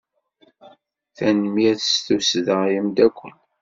Tanemmirt s tussda a ameddakel.